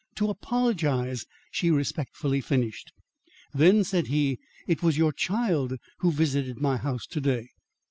"To apologise," she respectfully finished. "Then," said he, "it was your child who visited my house to day?"